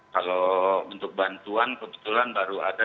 kalau untuk bantuan kebetulan baru ada